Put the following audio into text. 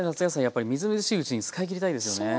やっぱりみずみずしいうちに使いきりたいですよね。